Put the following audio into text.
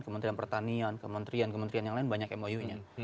kementerian pertanian kementerian kementerian yang lain banyak mou nya